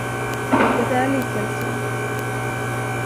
Det är likväl så.